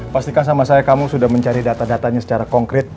pastikan sama saya kamu sudah mencari data datanya secara konkret